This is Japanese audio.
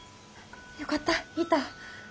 よかったいた。